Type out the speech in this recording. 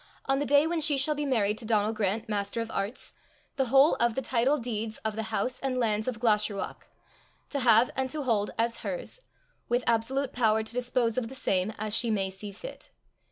on the day when she shall be married to Donal Grant, Master of Arts, the whole of the title deeds of the house and lands of Glashruach, to have and to hold as hers, with absolute power to dispose of the same as she may see fit.